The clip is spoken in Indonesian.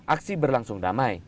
aksi berlangsung damai